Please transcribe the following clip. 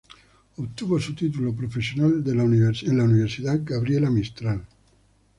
Obtuvo su título profesional en la Universidad Gabriela Mistral.